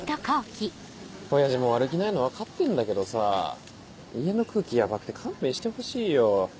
親父も悪気ないの分かってんだけどさぁ家の空気ヤバくて勘弁してほしいよ。